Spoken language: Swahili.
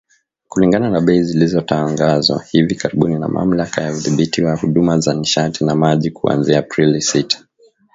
Kulingana na bei zilizotangazwa hivi karibuni na Mamlaka ya Udhibiti wa Huduma za Nishati na Maji kuanzia Aprili sita